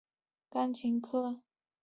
她对音乐的兴趣来自小时候的钢琴课。